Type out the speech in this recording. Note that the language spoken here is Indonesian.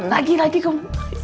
lagi lagi kum